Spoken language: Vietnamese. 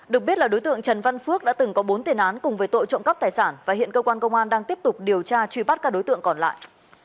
được biết là đối tượng trần văn phước đã từng có bốn tiền án cùng với tội trộm cắp tài sản và hiện cơ quan công an đang tiếp tục điều tra truy bắt các đối tượng còn lại